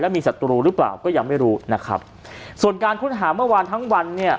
มีศัตรูหรือเปล่าก็ยังไม่รู้นะครับส่วนการค้นหาเมื่อวานทั้งวันเนี่ย